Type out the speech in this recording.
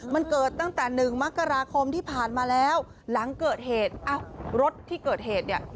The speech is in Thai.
มันเกิดตั้งแต่หนึ่งมกราคมที่ผ่านมาแล้วหลังเกิดเหตุอ้าวรถที่เกิดเหตุเนี่ย